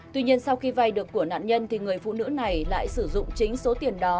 tuy nhiên sau khi vay được của nạn nhân thì người phụ nữ này lại sử dụng chính số tiền đó